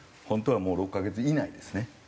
本当はもう６カ月以内ですね。